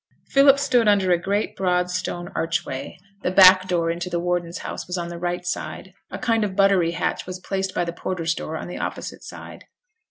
Philip stood under a great broad stone archway; the back door into the warden's house was on the right side; a kind of buttery hatch was placed by the porter's door on the opposite side.